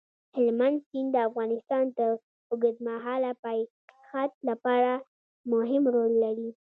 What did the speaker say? هلمند سیند د افغانستان د اوږدمهاله پایښت لپاره مهم رول لري.